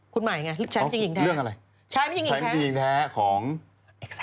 คุณหมายไงใช้จริงแท้ใช้จริงแท้ของอ๋อเรื่องอะไร